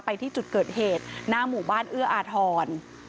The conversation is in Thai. ไปที่จุดเกิดเหตุหน้าหมู่บ้านเอื้ออาทร